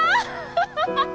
ハハハハ！